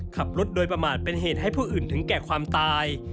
ขับรถโดยประมาทเป็นเหตุให้ผู้อื่นถึงแก่ความตาย